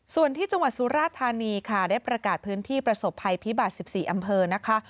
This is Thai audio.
ส่วนที่จังหวัดสุราธานีค่ะได้ประกาศพื้นที่ประสบภัยพิบัติ๑๔อำเภอนะคะ